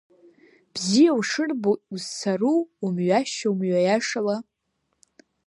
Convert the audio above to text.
Бзиа ушырбо узцару, умҩашьо, мҩа иашала?!